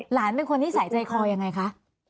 หลานเป็นคนนิสัยใจคอยังไงคะ